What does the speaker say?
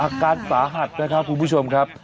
อาการสาหัสนะครับคุณผู้ชมครับ